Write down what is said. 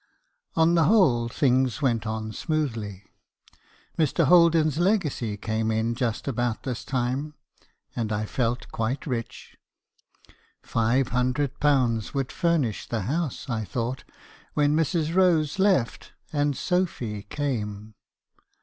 "On the whole, things went on smoothly. Mr. Holden's legacy came in just about this time; and I felt quite rich. Five hundred pounds would furnish the house, I thought, when Mrs. Rose left and Sophy came.